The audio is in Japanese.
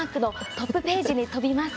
トップページに飛びます。